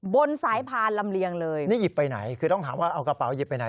บนสายพานลำเลียงเลยนี่หยิบไปไหนคือต้องถามว่าเอากระเป๋าหยิบไปไหน